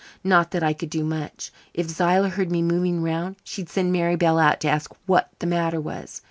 Not that I could do much. If Zillah heard me moving round she'd send Mary Bell out to ask what the matter was.